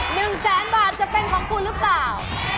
หนึ่งแสนบาทจะเป็นของคุณหรือเปล่า